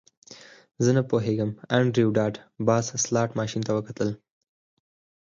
زه نه پوهیږم انډریو ډاټ باس سلاټ ماشین ته وکتل